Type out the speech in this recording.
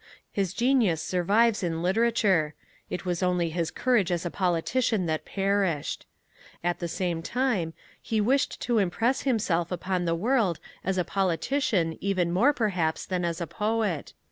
His genius survives in literature: it was only his courage as a politician that perished. At the same time, he wished to impress himself upon the world as a politician even more perhaps than as a poet.